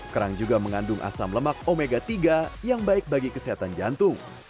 kerang juga mengandung asam lemak omega tiga yang baik bagi kesehatan jantung